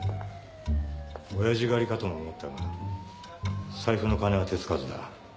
親父狩りかとも思ったが財布のカネは手つかずだ。